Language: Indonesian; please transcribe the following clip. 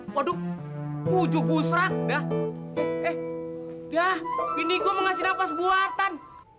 waduh ujung busrak dah eh dah ini gua mengasih nafas buatan